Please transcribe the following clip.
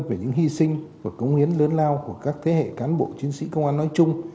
về những hy sinh và cống hiến lớn lao của các thế hệ cán bộ chiến sĩ công an nói chung